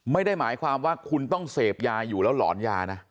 ไม่ได้หมายความว่าคุณต้องเสพยาอยู่แล้วหลอนยานะ